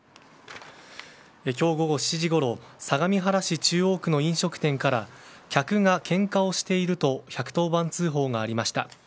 今日午後７時ごろ相模原市中央区の飲食店から客が、けんかをしていると１１０番通報がありました。